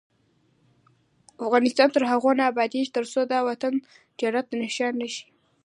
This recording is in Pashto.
افغانستان تر هغو نه ابادیږي، ترڅو دا وطن جنت نښان نشي.